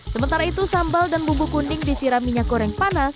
sementara itu sambal dan bumbu kuning disiram minyak goreng panas